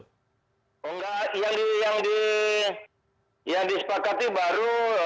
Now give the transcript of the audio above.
enggak yang disepakati baru